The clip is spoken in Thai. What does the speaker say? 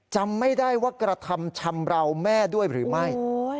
จำไม่ได้ว่ากระทำชำราวแม่ด้วยหรือไม่